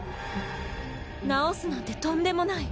治すなんてとんでもない。